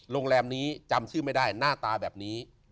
โรงแรมนี้จำชื่อไม่ได้หน้าตาแบบนี้